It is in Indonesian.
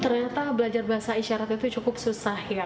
ternyata belajar bahasa isyarat itu cukup susah ya